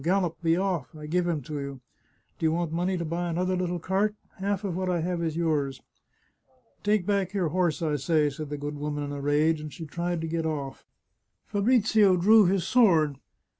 Gallop ! be off ! I give him to you. Do you want money to buy another little cart? Half of what I have is yours." " Take back your horse, I say," said the good woman in a rage, and she tried to get off. Fabrizio drew his sword.